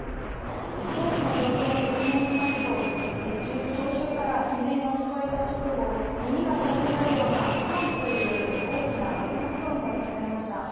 当時の状況を説明しますと聴衆から悲鳴が聞こえた直後耳が痛くなるようなパン！という大きな爆発音が聞こえました。